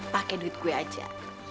pakai duit gue aja